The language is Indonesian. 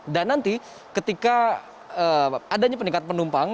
dan nanti ketika adanya peningkat penumpang